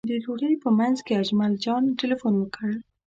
د ډوډۍ په منځ کې اجمل جان تیلفون وکړ.